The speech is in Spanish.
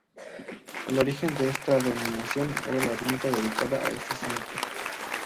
El origen de esta denominación era una ermita dedicada a este santo.